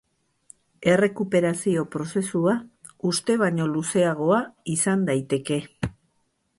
Errekuperazio prozesua uste baino luzeagoa izan daiteke.